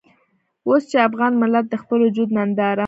اوس چې افغان ملت د خپل وجود ننداره.